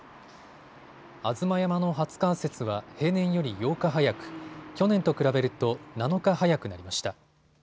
吾妻山の初冠雪は平年より８日早く、去年と比べると７日早くなりました。